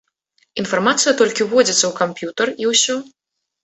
Інфармацыя толькі ўводзіцца ў камп'ютар, і ўсё.